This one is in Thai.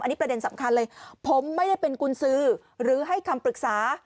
อันนี้ประเด็นสำคัญเลยผมไม่ได้เป็นกุญสือหรือให้คำปรึกษา